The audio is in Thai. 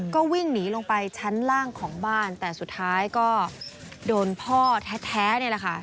ก็วิ่งหนีลงไปชั้นล่างของบ้านแต่สุดท้ายก็โดนพ่อแท้นี่แหละค่ะ